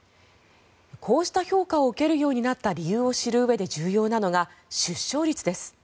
こうした評価を受けるようになった理由を知るうえで重要なのが出生率です。